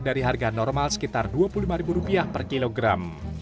dari harga normal sekitar rp dua puluh lima per kilogram